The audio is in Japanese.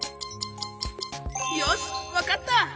よしわかった！